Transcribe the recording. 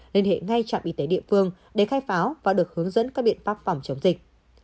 liên hệ ngay trạm y tế địa phương để khai pháo và được hướng dẫn các biện pháp phòng chống dịch